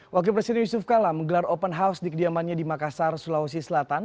wakil presiden yusuf kala menggelar open house di kediamannya di makassar sulawesi selatan